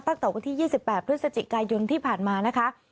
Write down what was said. ตั้งแต่วันที่๒๘พฤศจิกายนที่ผ่านมานะคะ